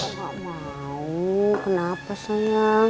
gak mau kenapa sayang